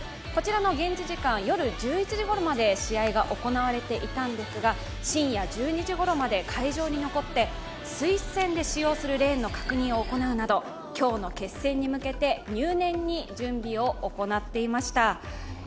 こちらの現地時間夜１１時ごろまで試合が行われていたんですが、深夜１２時ごろまで会場に残って、スイス戦で使用するレーンの確認をするなど今日の決戦に向けて入念に準備を行っていました。